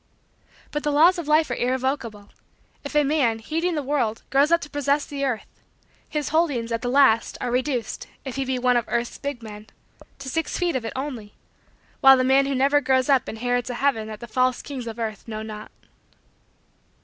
But the laws of Life are irrevocable. If a man, heeding the world, grows up to possess the earth, his holdings, at the last, are reduced if he be one of earth's big men to six feet of it, only; while the man who never grows up inherits a heaven that the false kings of earth know not.